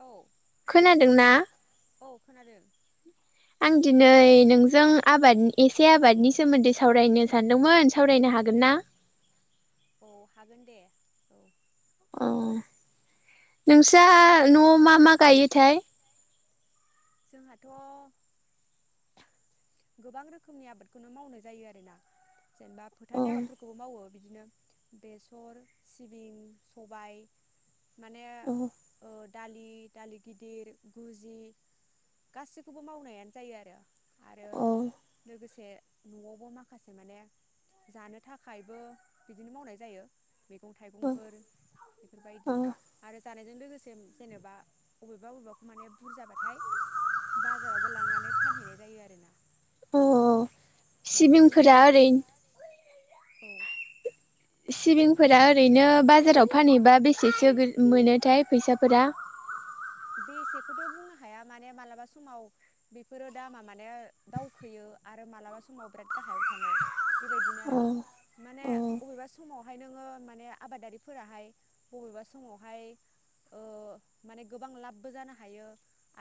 औ खोनादोंना? औ खोनादों। आं दिनै नोंजों आबाद एसे आबादनि सोमोन्दै सावरायनो सानदोंमोन। सावरायनो हागोन ना? औ हागोन दे औ। अ नोंस्रा न'आव मा मा गायोथाय? जोंहाथ' गोबां रोखोमनि आबादखौनो मावनाय जायो आरोना। जेनेबा अ फोथारनि आबादफोरखौबो मावो। बिदिनो बेसर सिबिं सबाय माने अ ओ दालि - दालि गिदिर गुजि। गासैखौबो मावनायानो जायो आरो। आरो अ लोगोसे न'आवबो माखासे माने जानो थाखायबो बिदिनो मावनाय जायो। मैगं अ थाइगंफोर अ बेफोरबायदि आरो जानायजों लोगोसे जेनेबा अबेबा अबेबा खौ माने बुरजाबा थाय बाजारावबो लांनानै फानहैनाय जायो आरो ना। अ माने सिबिंफोरा ओरैनो औ सिबिंफोरा ओरैनो बाजाराव फानहैबा बेसेसो गो मोनो? थाय फैसाफोरा। बेसेखौथ' बुंनो हाया माने मालाबा समाव बेफोरो दामा मानो दावखोयो आरो मालाबा समाव बिराद गाहायाव थाङो। [inaudible] बेबायदिनो आरो अ माने अ [inaudible] अबेबा समावहाय नोङो माने आबादारिफोराहाय बबेबा समावहाय ओ माने [inaudible] गोबां लाबबो जानो हायो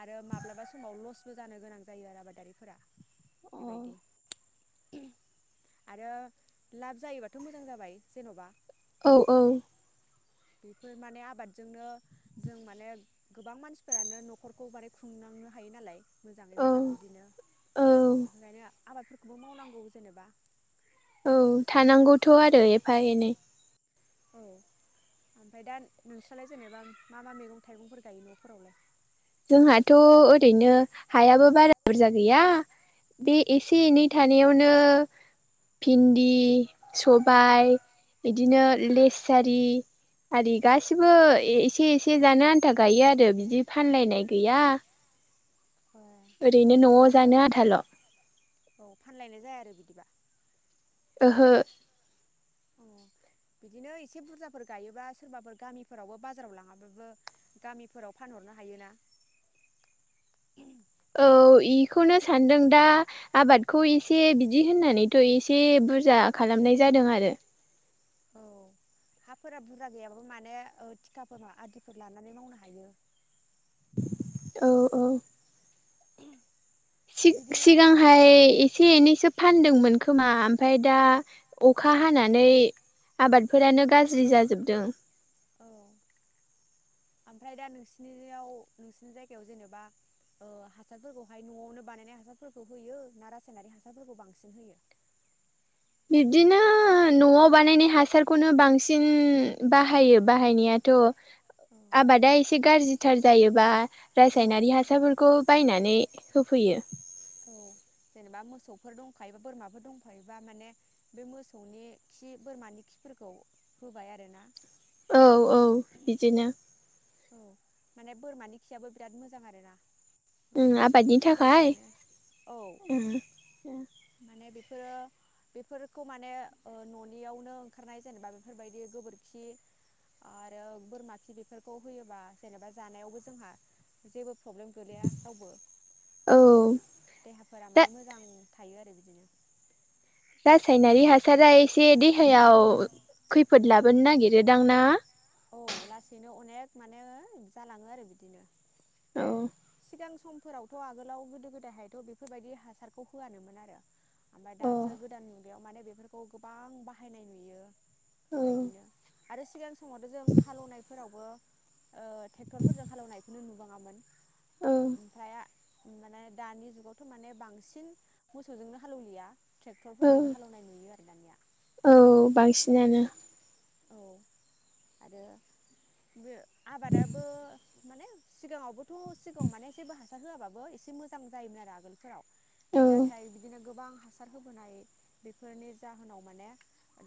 आरो माब्लाबा समाव लसबो जानो गोनां जायो आरो आबादारिफोरा औ बेबायदि आरो लाब जायोबाथ' मोजां जाबाय जेन'बा। [inaudible] औ - औ। बेफोर माने आबादजोंनो जों माने गोबां मानसिफोरानो न'खरखौ माने खुंनांनो हायो नालाय मोजाङै मोजां बिदिनो औ बेफोरखायनो आबादफोरखौबो मावनांगौ जेनेबा [inaudible] औ थानांगौथ' आरो एफा एनै। औ ओमफ्राय दा नोंस्रालाय जेनेबा मा मा मैगं थाइगंफोर गायो न'फोरावलाय? [inaudible] जोंहाथ' ओरैनो हायाबो बारा बुरजा गैया। बे एसे एनै थानायावनो भिन्दि सबाइ बिदिनो लेसारि आरि गासिबो एसे एसे जानो आन्था गायो आरो बिदि फानलायनाय गैया। ए ओरैनो न'आव बिदिबा जानो आधाल'। औ फानलायनाय जाया आरो बिदिबा। [inaudible] ओहो। अ बिदिनो एसे बुरजाफोर गायोबा सोरबाफोर गामिफोरावबो बाजाराव लाङाबाबो गामिफोराव फानहरनो हायोना [inaudible] औ इखौनो सानदों दा आफादखौ एसे बिदि होननानैथ' एसे बुरजा खालामनाय जादों आरो। औ हाफोरा बुरजा गैयाबाबो माने थिखाफोर आदिफोर लानानै मावनो हायो। [inaudible] औ औ। बिदिनो सिगांहाय एसे एनैसो फानदोंमोन खोमा ओमफ्राय दा औ अखा हानानै आबादफोरानो गाज्रि जाजोबदों। औ ओमफ्राय दा नोंसिनियाव नोंसिनि जायगायाव जेनेबा हासारफोरखौहाय न'आवनो बानायनाय हासारफोरखौ होयो ना रासायनारि हासारफोरखौ बांसिन होयो [inaudible] बिब्दिनो न'आव बानायनाय हासारखौनो बांसिन बाहायो बाहायनायाथ'। आबादा एसे गाज्रिथार जायोबा रासायनारि हासारफोरखौ बायनानै होफैयो। औ जेनेबा मोसौफोर दंखायोबा बोरमाफोर दंखायोबा माने बे मोसौनि खि बोरमानि खिफोरखौ होबाय आरो ना? औ औ बिदिनो। औ माने बोरमानि खियाबो बिराद मोजां आरो ना उम [inaudible] मोसौनि आबादनि खि थाखाय बायदियानो औ उम माने बे [inaudible] बेफोरखौ माने न'नियावनो ओंखारनाय जेनेबा बेफोरबायदि गोबोरखि आरो बोरमा खि बे [inaudible] होयोबा जेनेबा जानायावबो जोंहा जेबो [inaudible] प्रब्लेम गोलैया रावबो औ देहाफोरा माने मोजां [inaudible] थायो आरो बिदिनो [inaudible] रा-रासायनारि हासारा एसे देहायाव खैफोद लाबोनो नागिरोदां ना? औ लासैनो अनेक माने जालाङो आरो बिदिनो [inaudible] औ। सिगां समफोरावथ' आगोलाव गोदो गोदायहायथ' बेफोरबायदि हासारखौ होआानोमोन आरो ओमफ्राय औ दासो गोदान मुगायाव माने बेफोरखौ गोबां बाहायनाय नुयो औ बेबायदिनो आरो सिगां समावथ' जों हालेवनायफोरावबो ट्रेक्टरफोरजों हालेवनायखौनो नुबाङामोन [inaudible] औ ओमफ्राय [inaudible] माने दानि जुगावथ' माने बांसिन मोसौजोंनो हालौवलिया [inaudible] औ ट्रेक्टरफोरजोंनो हालेवनाय नुयो आरो दानिया औ बांसिनानो औ आरो जो आबादाबो माने सिगांङावबोथ' सिगांङाव माने जेबो हासार होआबाबो एसे मोजां जायोमोन आरो आगोलफोराव। औ नाथाय बिदिनो गोबां हासार होबोनाय बेफोरनि जाहोनाव माने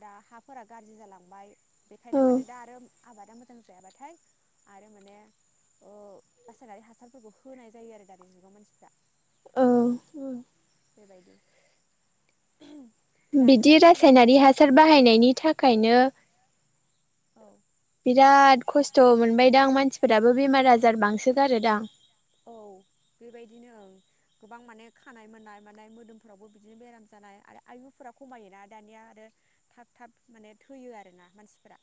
दा हाफोरा गाज्रि जालां बाइ बेखायनो औ माने दा आरो आबादा मोजां जायाबाथाय आरो माने ओ रासायनारि हासारफोरखौ होनाय जायो आरो दानि जुगाव मानसिफ्रा। ओं बेबायदि दाथ' बिदि जोंहा रासायनारि हासार बाहायनायनि थाखायनो औ बिराद खस्थ' मोनबायदां मानसिफोराबो बेमार आजार बांसोगारोदां औ बेबायदिनो ओं गोबां माने खानाय मोननाय माने मोदोमफोरावबो बिदिनो बेराम जानाय आरो आयुफोरा खमायोना दानिया आरो थाब थाब माने थैयो आरोना मानसिफोरा।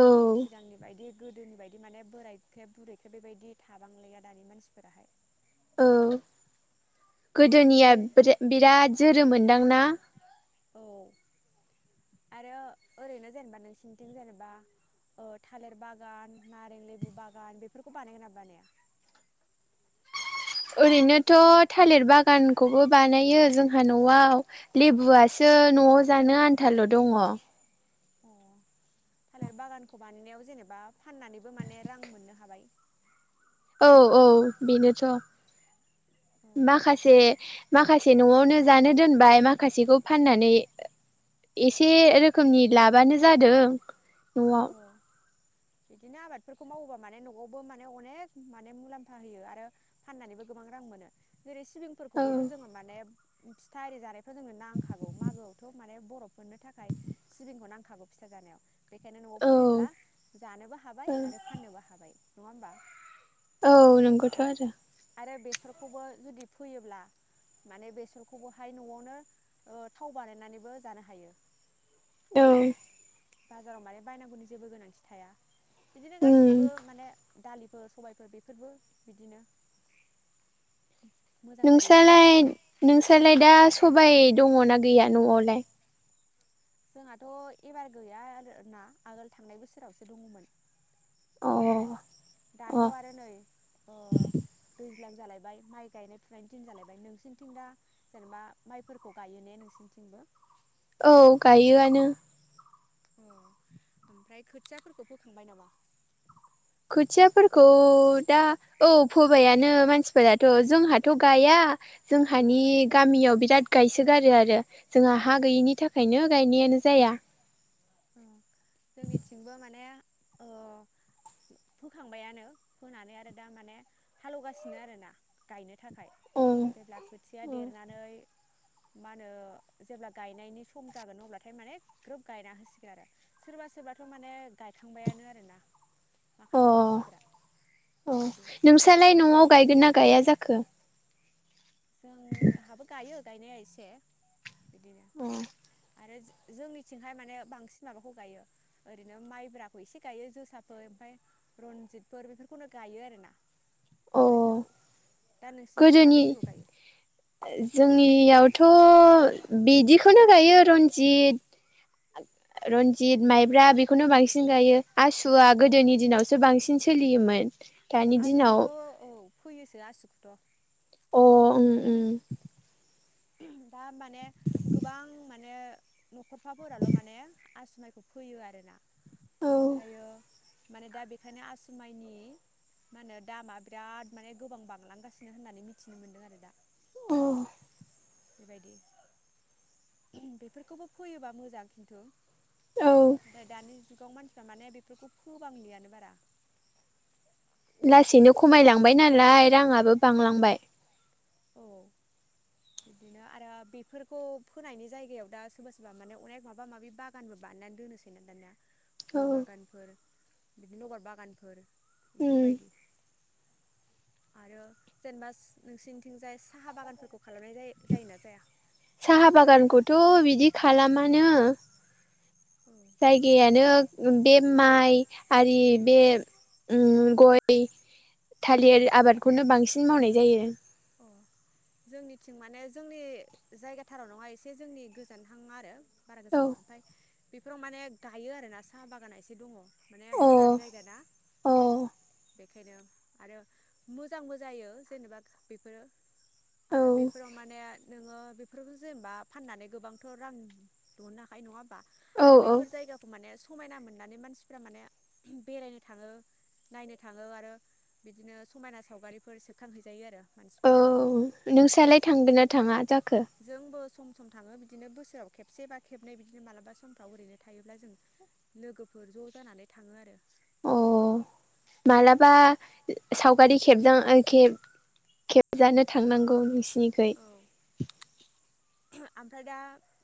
औ सिगांनि बायदि गोदोनि बाय बिदि माने बोरायख्रे बुरैख्रे बेबायदि थाबांलाया दानि मानसिफोराहाय। औ गोदोनिया ओरै बिराद जोरोम मोनदां ना? औ आरो ओरैनो जेनेबा नोंसिनिथिं जेनेबा ओ थालिर बागान नारें लेबु बागान बेफोरखौ बानायगोन नामा बानाया? ओरैनोथ' थालिर बागानखौबो बानायो जोंहा न'आव लेबुआसो न'आव जानो आनथाल' दंङ। अ थालिर बागानखौ बानायनायाव जेनेबा फाननानैबो माने रां मोननो हाबाय। औ औ बेनोथ' औ माखासे माखासे न'आवनो जानो दोनबाय माखासेखौ फाननानै एसे रोखोमनि लाबानो जादों न'आव। औ बिदिनो आबादफोरखौ मावोबा माने न'आवबो माने अनेक माने मुलाम्फा होयो आरो फाननानैबो गोबां रां मोनो। जेरै औ सिबिंफोरखौबोथ' जोंङो माने उम फिथा आरि जानायफोराव जोंनो नांखागौ मागोआवथ' माने बर'फोरनो थाखाय सिबिंखौ नांखागौ फिथा जानायाव। बेखायनो न'आव फोयोब्ला जानोबो औ हाबाय आरो फाननोबो हाबाय। नंङा होनबा? औ नंगौथ' आरो। आरो बेसरखौबो जुदि फोयोब्ला माने बेसरखौबोहाय न'आवनो ओ थाव बानायनानैबो जानो हायो। औ बाजाराव मारै बायनांगौनि जेबो गोनांथि थाया। बिदिनो उम गासिबो माने दालिफोर सबायफोर बेफोरबो बिदिनो मोजां जायो नोंस्रालाय-नोंस्रालाय दा खबायाय दंङना गैया न'आवलाय? जोंहाथ' एबार गैया आर ना आगोल थांनाय बोसोरावसो दंङमोन अ बिदि दाथ' अ आरो ओ नै दैज्लां जालायबाय माइ गायनाय फुनाय दिन जालायबाय नोंसिनिथिं दा जेनेबा माइफोरखौ गायो ने नोंसिनिथिंबो? औ गायोआनो। अ ओमफ्राय खोथियाफोरखौ फोखांबाय नामा खोथियाफोरखौ दा औ फोबायानो मानसिफोराथ' जोंहाथ' गाया जोंहानि ओं गामियाव बिराद गायसोगारो आरो जोंहा हा गैयिनि थाखायनो गायनायानो जाया। जोंनिथिंबो माने ओ फोखांबायानो फोनानै आरो दा माने हालेवगासिनो आरोना गायनो थाखाय अ जेब्ला खोथिया देरनानै मा होनो जेब्ला गायनायनि सम जागोन अब्लाथाय माने ग्रोब गायना होसि गोन आरो सोरबा-सोरबाथ माने गायखांबायानो आरोना। अ माखासे मानसिफोरा अ बेबायदि नोंस्रालाय न'आव गायगोन ना गाया जाखो। जोंहाबो गायो। गायनाया एसे बिदि अ आरो जोंनिथिंहाय माने बांसिन माबाखौ गायो ओरैनो माइब्राखौ एसे गायो जोसाफोर ओमफ्राय रनजितफोर बेफोरखौनो गायो आरोना। अ माइफोरखौ दा नोंसिोरनिथिलाय गोदोनि माबायदिखौ जोंनियावथ' बिदिखौनो गायो रन्जित रनजित माइब्रा बेखौनो बांसिन गायो आसुवआ गोदोनि दिनावसो बांसिन सोलियोमोन। औ दानि दिनाव आसुखोथ औ फोयोसो आसुखोथ अ अम अम अम दा माने गोबां माने न'खरफाफोराल माने आसु माइखौ फैयो आरोना। ओम ओमफायो माने दा बेखायनो आसुमाइनि मा होनो दामा बिराद माने गोबां बांलांगासिनो होननानै मिथिनो मोन्दों आरो दा। औ बेबायदि अम बेफोरखोबो फैयोबा मोजां खिन्थु औ नाथाय दानि जुग गाव मानसिफ्रा माने बेफोरखौ फोबांलियानो बारा। लासैनो खमायलांबाय नालाय रांङाबो बांलांबाय। औ बिदिनो आरो बेफोरखौ फोनायनि जायगायाव दा सोरबा-सोरबा माने अनेक माबा माबि बागानबो बाना दोननोसै ना दाना। गय औ बागानफोर बिदिनो लबर बागानफोर। ओम बेफोरबायदि आरो जेनेबा नोंसिनिथिंजाय साहा बागानफोरखौ खालामनाय जायो जायोना जाया? साहा बागानखौथ बिदि खालामानो। जायगायानो बे माइ आरि बे अम गय थालिर आबादखौनो बांसिन मावनाय जायो। अ जोंनिथिं माने जोंनि जायगा थाराव नङा एसे जोंनि गोजानहां आरो बारा गोजाना नङा ओमफाय बेफोराव माने गायो आरोना सा बागाना एसे दङ। माने औ गोरान जायगा ना। अ अ बेखायनो आरो मोजांबो जायो जेनेबा बे फोरो। औ आरो बेफोराव माने जोङो बेफोरखो जेनेबा फाननानै गोबां थ रां दहनो हाखायो नङा होमबा? औ आरो औ बेफोर जायगाखौ माने समायना मोननानै मानसिफ्रा माने ओहोम बेरायनो थाङो नायनो थाङो आरो बिदिनो समायना सावगारिफोर सेबखांहैजायो आरो। ओ मानसिफोराहाय नोंसालाय थांगोना थाङा जाख जोंबो सम सम थाङो बिदिनो बोसोराव खेबसे बा खेबनै बिदिनो मालाबा समफ्राव ओरैनो थायोब्ला जों लोगोफोर ज जानानै थाङो आरो। अ बेबायदिनो मालाबा साव सावगारि खेबजां खेब खेबजानो थांनांगौ नोंसि निखै। उम आमफ्राय दा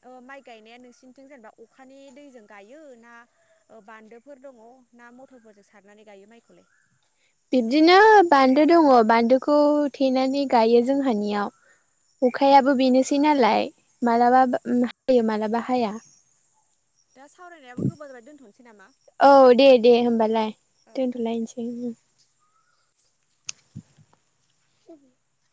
ओ माइ गायनाया नोंसिनिथिं जेनेबा अखानि दैजों गायो ना ओ बान्दोफोर दङ ना मथरफोरजों सारनानै गायो माइखौलाय? बिब्दिनो बान्दो दङ बान्दोखौ थेनानै गायो जोंहानियाव औ अखायाबो बेनोसै नालाय। मालाबा बा हायो मालाबा हाया। दा सावरायनायाबो गोबाव जाबाय दोनथनोसै नामा। औ दे दे होमबालाय औ दोनथलायनोसै। [inaudible]